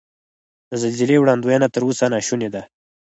د زلزلې وړاندوینه تر اوسه نا شونې ده.